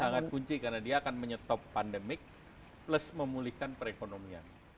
sangat kunci karena dia akan menyetop pandemik plus memulihkan perekonomian